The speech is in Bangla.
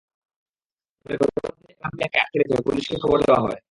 পরে ঘরের মধ্যে একরাম মিয়াকে আটকে রেখে পুলিশকে খবর দেওয়া হয়।